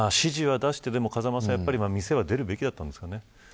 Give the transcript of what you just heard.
指示を出してでも、風間さん店は出るべきだったんですかね。